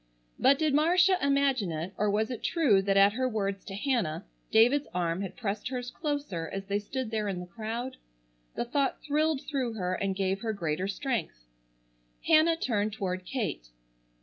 But did Marcia imagine it, or was it true that at her words to Hannah, David's arm had pressed hers closer as they stood there in the crowd? The thought thrilled through her and gave her greater strength. Hannah turned toward Kate.